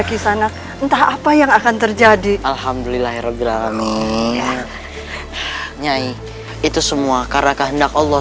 kisanak entah apa yang akan terjadi alhamdulillah ya rabbi alami nyai itu semua karena kehendak allah